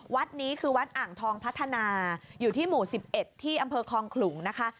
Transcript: วัดนี้คือวัดอ่างทองพัฒนาอยู่ที่หมู่๑๑ที่อำเภอคลองขลุงนะคะ